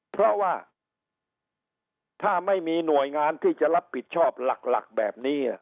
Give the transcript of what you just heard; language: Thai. เพราะว่าถ้าไม่มีหน่วยงานที่จะรับผิดชอบหลักแบบนี้